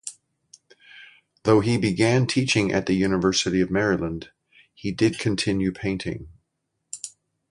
Though he began teaching at the University of Maryland, he did continue painting.